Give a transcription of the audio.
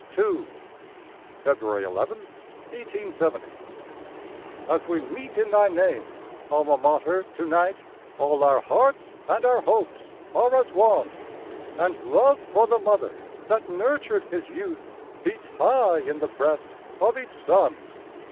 II. (Feb. 11, 1870.) As we meet in thy name, Alma Mater, to night, All our hearts and our hopes are as one, And love for the mother that nurtured his youth Beats high in the breast of each son.